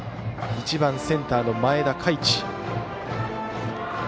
１番センターの前田凱地。